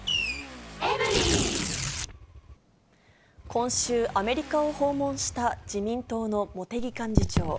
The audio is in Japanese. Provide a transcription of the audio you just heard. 今週、アメリカを訪問した自民党の茂木幹事長。